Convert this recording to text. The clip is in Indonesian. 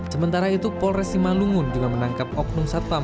sementara itu polres simalungun juga menangkap oknum satpam